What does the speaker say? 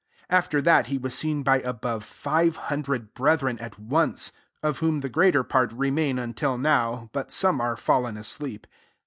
6 After that, he was seen kf above five hundred brethren «t once ; of whom the greater part remain until liow, but some are fallen asleep.